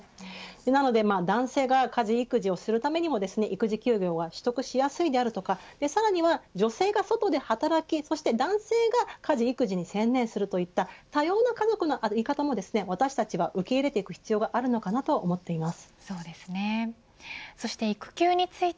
なので男性が家事育児をするためにも育児休業は取得しやすいであるとか、さらには女性が外で働き、男性が家事育児に専念するといった多様な家族の在り方も私たちが受け入れていく必要があると思っています。